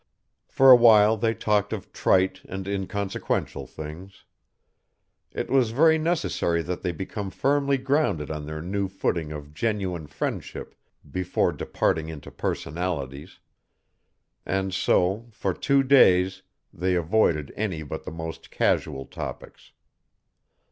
For a while they talked of trite and inconsequential things. It was very necessary that they become firmly grounded on their new footing of genuine friendship before departing into personalities; and so, for two days, they avoided any but the most casual topics.